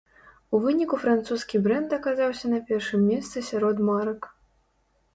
У выніку французскі брэнд аказаўся на першым месцы сярод марак.